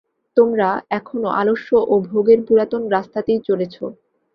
তোমরা এখনও আলস্য ও ভোগের পুরাতন রাস্তাতেই চলেছ।